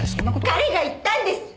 彼が言ったんです！